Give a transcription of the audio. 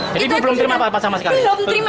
jadi belum terima apa apa sama sekali